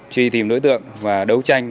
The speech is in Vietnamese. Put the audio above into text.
truy tìm đối tượng và đấu tranh